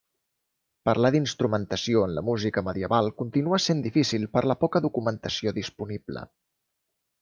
Parlar d'instrumentació en la música medieval continua sent difícil per la poca documentació disponible.